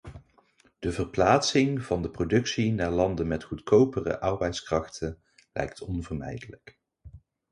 De verplaatsing van de productie naar landen met goedkopere arbeidskrachten lijkt onvermijdelijk.